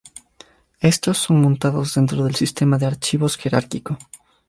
Estos son montados dentro del sistema de archivos jerárquico.